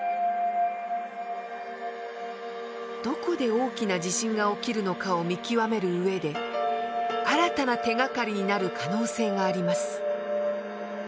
どこで大きな地震が起きるのかを見極める上で新たな手がかりになる可能性があります。